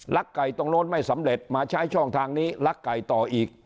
ไก่ตรงโน้นไม่สำเร็จมาใช้ช่องทางนี้ลักไก่ต่ออีก